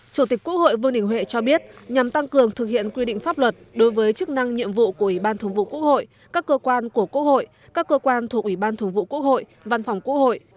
chủ tịch quốc hội vương đình huệ cho biết nhằm tăng cường thực hiện quy định pháp luật đối với chức năng nhiệm vụ của ủy ban thường vụ quốc hội các cơ quan của quốc hội các cơ quan thuộc ủy ban thường vụ quốc hội văn phòng quốc hội